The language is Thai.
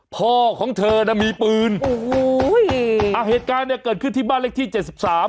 พ่อของเธอน่ะมีปืนโอ้โหอ่าเหตุการณ์เนี้ยเกิดขึ้นที่บ้านเล็กที่เจ็ดสิบสาม